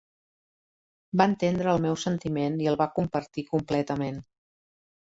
Va entendre el meu sentiment i el va compartir completament.